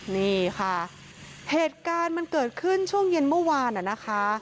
นี่ค่ะเหตุการณ์มันเกิดขึ้นช่วงเย็นเมื่อวานนะคะ